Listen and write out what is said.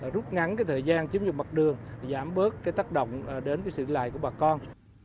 rút ngắn thời gian chiếm dụng mặt đường giảm bớt cái tác động đến sự lại của bà con